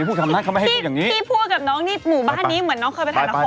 กูพูดกับน้องนี่เมื่อน้องเคยไปถ่ายละคร